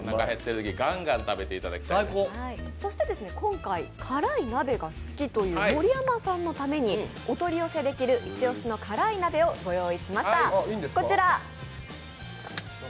今回、辛い鍋が好きという盛山さんのためにお取り寄せできる一押しの辛い鍋をご用意しました。